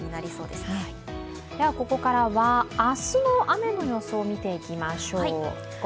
ではここからは明日の雨の予想を見ていきましょう。